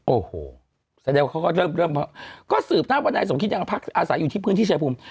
โอ้โหแสดงว่าเขาก็เริ่มเริ่มก็สืบทราบว่านายสมคิดยังพักอาศัยอยู่ที่พื้นที่ชายภูมิ